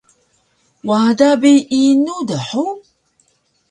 Wada bi inu dhug?